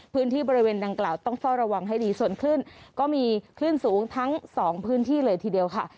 พื้นที่บริเวณดังกล่าวต้องเฝ้าระวังให้ดีส่วนคลื่นก็มีคลื่นสูงทั้งสองพื้นที่เลยทีเดียวค่ะ